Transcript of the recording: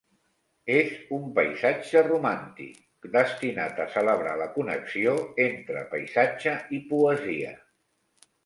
És un "paisatge romàntic", destinat a celebrar la connexió entre paisatge i poesia.